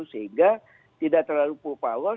sehingga tidak terlalu pool power